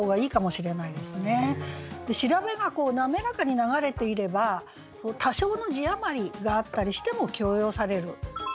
調べが滑らかに流れていれば多少の字余りがあったりしても許容される。